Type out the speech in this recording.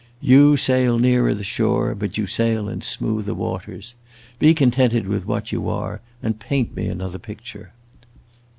"You sail nearer the shore, but you sail in smoother waters. Be contented with what you are and paint me another picture."